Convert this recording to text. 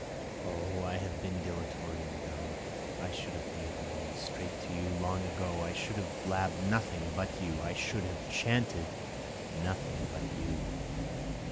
O I have been dilatory and dumb, I should have made my way straight to you long ago, I should have blabb'd nothing but you, I should have chanted nothing but you.